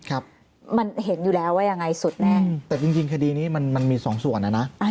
ครับมันเห็นอยู่แล้วว่ายังไงสุดแน่แต่จริงจริงคดีนี้มันมันมีสองส่วนอ่ะนะ